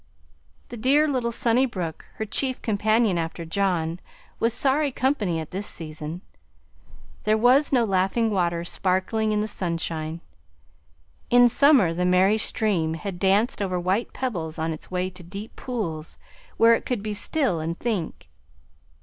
The dear little sunny brook, her chief companion after John, was sorry company at this season. There was no laughing water sparkling in the sunshine. In summer the merry stream had danced over white pebbles on its way to deep pools where it could be still and think.